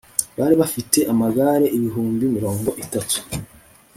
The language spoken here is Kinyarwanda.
bari bafite amagare ibihumbi mirongo itatu